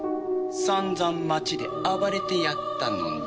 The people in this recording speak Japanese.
散々街で暴れてやったのに。